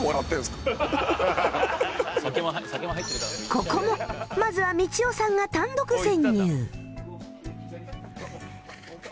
ここもまずはみちおさんが単独潜入！